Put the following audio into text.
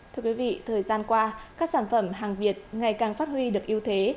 thưa quý vị thời gian qua các sản phẩm hàng việt ngày càng phát huy được ưu thế